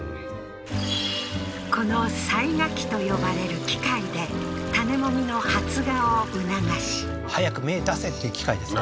この催芽機と呼ばれる機械で種籾の発芽を促し早く芽出せっていう機械ですね